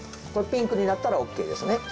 これピンクになったらＯＫですね？